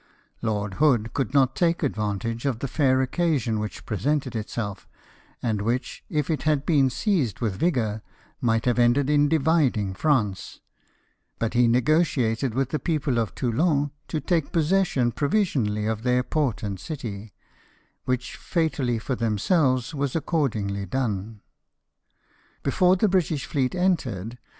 Lord Hood could not take advantage of the fair occasion which presented itself; and which, if it had been seized with vigour, might have ended in dividing France ; but he negotiated with the people of Toulon, to take possession provisionally of their port and city, which, fatally for themselves, was accordingly done. Before the British fleet entered.